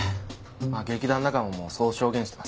まあ劇団仲間もそう証言してます。